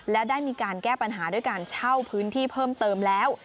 และได้มีการแก้ปัญหาด้วยการเช่าพื้นที่เพิ่มเติมแล้ว